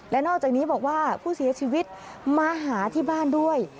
และนอกจากนี้บอกว่าผู้เสียชีวิตมาหาที่บ้านด้วย